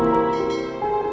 oh siapa ini